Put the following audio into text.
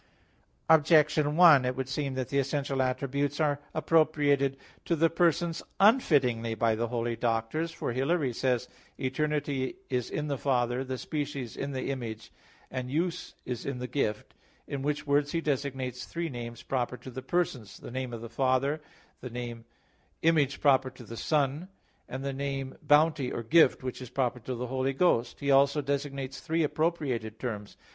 Objection 1: It would seem that the essential attributes are appropriated to the persons unfittingly by the holy doctors. For Hilary says (De Trin. ii): "Eternity is in the Father, the species in the Image; and use is in the Gift." In which words he designates three names proper to the persons: the name of the "Father," the name "Image" proper to the Son (Q. 35, A. 2), and the name "Bounty" or "Gift," which is proper to the Holy Ghost (Q. 38, A. 2). He also designates three appropriated terms.